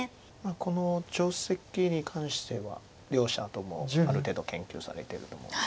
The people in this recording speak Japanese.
この定石に関しては両者ともある程度研究されてると思うんです。